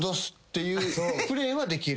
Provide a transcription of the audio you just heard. いうプレーはできる。